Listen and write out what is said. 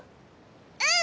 うん！